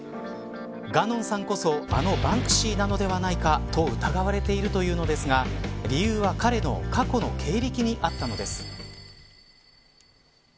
ガノンさんこそ、あのバンクシーなのではないかと疑われているというのですが理由は彼の過去の経歴にあったのです。